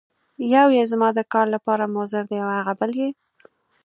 یو یې زما د کار لپاره مضر دی او هغه بل یې.